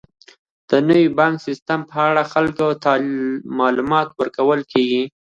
د نوي بانکي سیستم په اړه خلکو ته معلومات ورکول کیږي.